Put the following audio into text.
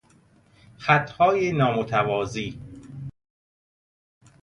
خطهای نامتوازی